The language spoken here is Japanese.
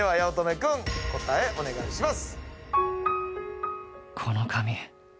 君答えお願いします。